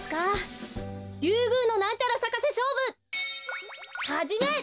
リュウグウのなんちゃらさかせしょうぶはじめ！